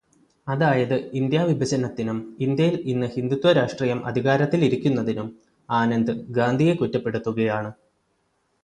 അതായത് ഇന്ത്യാവിഭജനത്തിനും, ഇന്ത്യയില് ഇന്ന് ഹിന്ദുത്വരാഷ്ട്രീയം അധികാരത്തിലിരിക്കുന്നതിനും ആനന്ദ് ഗാന്ധിയെ കുറ്റപ്പെടുത്തുകയാണു ചെയ്യുന്നത്.